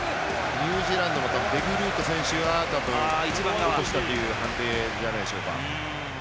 ニュージーランドのデグルート選手がたぶん落としたというような判定じゃないでしょうか。